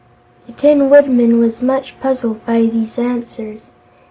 The Tin Woodman was much puzzled by these answers.